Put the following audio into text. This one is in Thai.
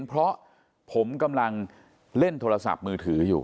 เพราะผมกำลังเล่นโทรศัพท์มือถืออยู่